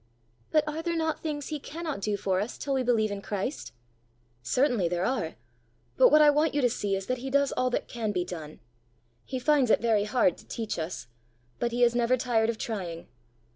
"But are there not things he cannot do for us till we believe in Christ?" "Certainly there are. But what I want you to see is that he does all that can be done. He finds it very hard to teach us, but he is never tired of trying.